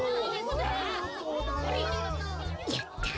やった。